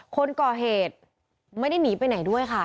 คนก่อเหตุไม่ได้หนีไปไหนด้วยค่ะ